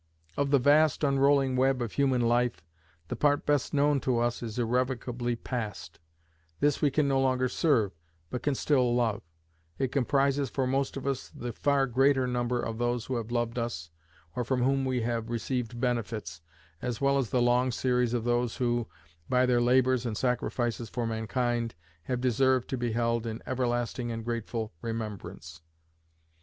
Of the vast unrolling web of human life, the part best known to us is irrevocably past; this we can no longer serve, but can still love: it comprises for most of us the far greater number of those who have loved us, or from whom we have received benefits, as well as the long series of those who, by their labours and sacrifices for mankind, have deserved to be held in everlasting and grateful remembrance.